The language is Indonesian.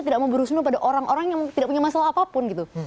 tidak mau berhusunuh pada orang orang yang tidak punya masalah apapun gitu